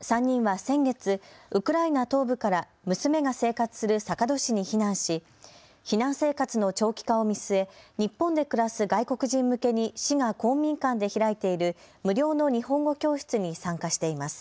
３人は先月、ウクライナ東部から娘が生活する坂戸市に避難し避難生活の長期化を見据え日本で暮らす外国人向けに市が公民館で開いている無料の日本語教室に参加しています。